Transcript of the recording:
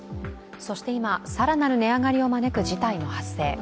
そして今、更なる値上がりを招く事態も発生。